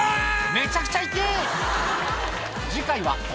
めちゃくちゃ痛ぇ！